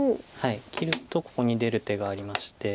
切るとここに出る手がありまして。